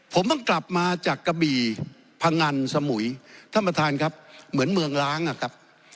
ผมเพิ่งกลับมาจากกะบี่พังงันสมุยท่านประธานครับเหมือนเมืองล้างอ่ะครับ